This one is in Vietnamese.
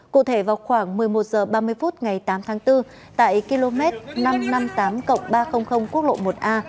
cụ thể vào khoảng một mươi một h ba mươi phút ngày tám tháng bốn tại km năm trăm năm mươi tám ba trăm linh quốc lộ một a